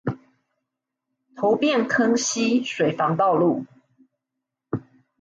頭汴坑溪水防道路